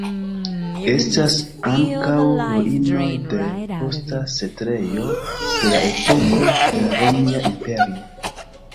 Estas ankaŭ ruinoj de posta setlejo de la epoko de la Romia Imperio.